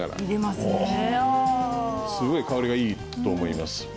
すごい香りがいいと思います。